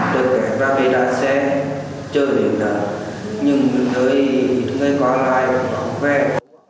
tôi kể ra về đa xe chờ đến đó nhưng người có ai cũng không quen